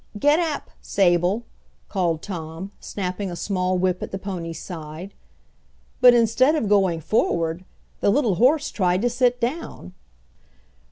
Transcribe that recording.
"Get app, Sable!" called Tom, snapping a small whip at the pony's side. But instead of going forward the little horse tried to sit down!